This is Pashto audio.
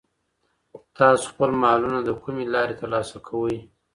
تاسو خپل مالونه له کومې لاري ترلاسه کوئ؟